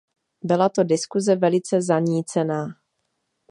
Byla to diskuse velice zanícená.